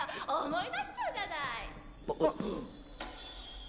思い出しちゃうじゃない。